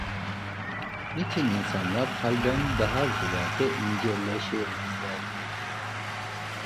Niçin insanlar kalben daha ziyade inceleşemezlerdi?